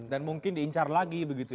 dan mungkin diincar lagi begitu ya